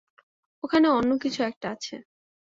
ওখানে অন্য কিছু একটা আছে।